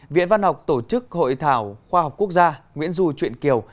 viện văn học tổ chức hội thảo khoa học quốc gia nguyễn du truyện kiều